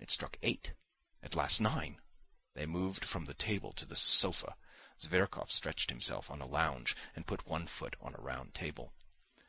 It struck eight, at last nine. They moved from the table to the sofa. Zverkov stretched himself on a lounge and put one foot on a round table.